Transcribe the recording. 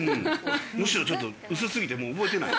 むしろちょっと薄すぎてもう覚えてない。